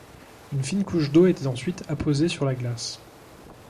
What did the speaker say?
Une fine couche d'eau était ensuite apposée sur la glace.